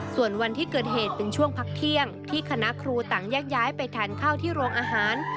ส่วนวันที่เกิดเหตุเป็นช่วงพักเที่ยงที่คณะครูต่างแยกย้ายไปทานข้าวที่โรงอาหาร